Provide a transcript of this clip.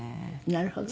なるほどね。